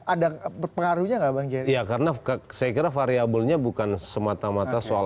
ada berpengaruhnya nggak bang jerry ya karena saya kira variabelnya bukan semata mata soal